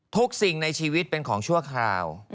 สิ่งในชีวิตเป็นของชั่วคราว